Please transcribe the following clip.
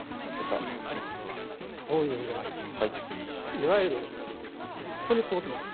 いわゆるここにこう来ます。